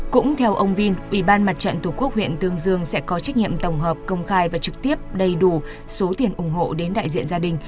cũng theo ông vinh ủy ban mặt trận tổ quốc huyện tương dương sẽ có trách nhiệm tổng hợp công khai và trực tiếp đầy đủ số tiền ủng hộ đến đại diện gia đình